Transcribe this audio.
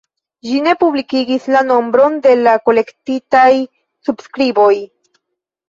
Ĝi ne publikigis la nombron de la kolektitaj subskriboj.